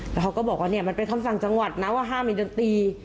แล้วเขาก็บอกว่าเนี่ยมันเป็นคำสั่งจังหวัดนะว่าห้ามมีดนตรี